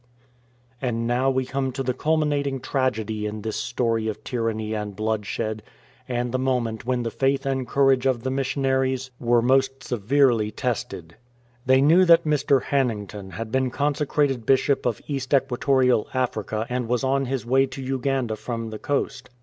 And now we come to the culminating tragedy in this story of tyranny and bloodshed, and the moment when the faith and courage of the missionaries were most severely HI MURDER OF BISHOP HANNINGTON tested. They knew that Mr. Hannington had been consecrated Bishop of East Equatorial Africa and was on his way to Uganda from the coast.